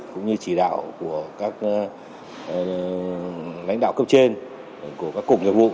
cũng như chỉ đạo của các lãnh đạo cấp trên của các cục nghiệp vụ